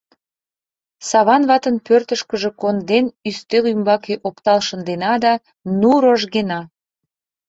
Саван ватын пӧртышкыжӧ конден, ӱстел ӱмбаке оптал шындена да — ну, рожгена!